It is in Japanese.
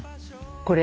これ。